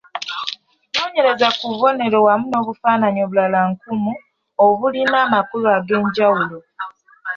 Noonyereza ku bubonero wamu n’obufaananyi obulala nkumu obulina amakulu ag’enjawulo.